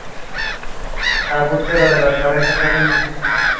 El cultivo de la música religiosa orientó su actividad como compositor.